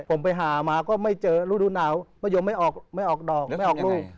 ผมไปหามาก็ไม่เจอรูดูหนาวมะยมไม่ออกไม่ออกดอกไม่ออกลูก